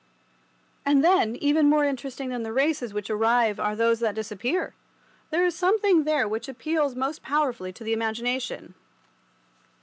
And then, even more interesting than the races which arrive are those that disappear. There is something there which appeals most powerfully to the imagination.